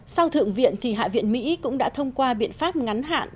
sau thượng viện thì hạ viện mỹ cũng đã thông qua biện pháp ngắn hạn